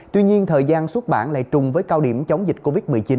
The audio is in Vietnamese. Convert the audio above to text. tuy nhiên thời gian xuất bản lại chung với cao điểm chống dịch covid một mươi chín